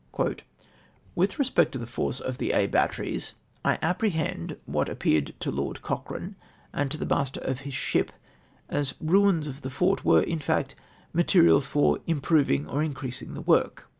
" With respect to the force of the Aix batteries, I appre hend what appeared to Lord Cochrane and to the master of his ship as ruins of the fort were, in fact, materials for im proving or increasing tlie ivorh!